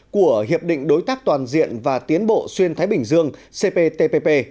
của hiệp định đối tác toàn diện và tiến bộ xuyên thái bình dương cptpp